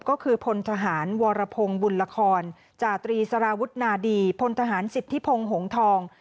ก็คือพลทหารวรพงศ์บุญละครจาตรีสารวุฒนาดีพลทหารสิทธิพงศ์หงทอง